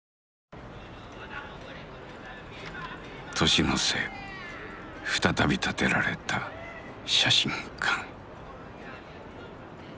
年の瀬再び建てられた写真館。